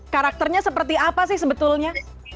karakternya seperti apa sih sebetulnya